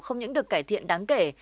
không những được cải thiện đáng kể